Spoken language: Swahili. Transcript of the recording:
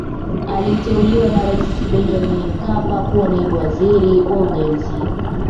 aliteuliwa na raisi benjamin mkapa kuwa naibu waziri wa ujenzi